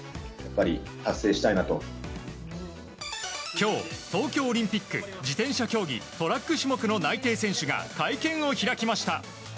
今日、東京オリンピック自転車競技トラック種目の内定選手が会見を開きました。